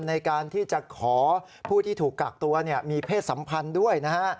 ในการที่จะขอผู้ที่ถูกกักตัวมีเพศสัมพันธ์ด้วยนะฮะ